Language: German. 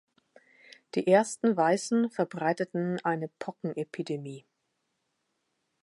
Die ersten Weißen verbreiteten eine Pocken-Epidemie.